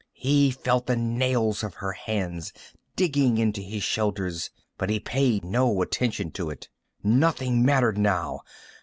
He felt the nails of her hands digging into his shoulders, but he paid no attention to it. Nothing mattered now.